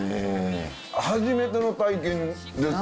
初めての体験です。